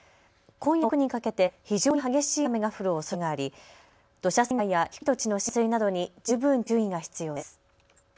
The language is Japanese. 今夜遅くにかけて非常に激しい雨が降るおそれがあり土砂災害や低い土地の浸水などに十分注意が必要です。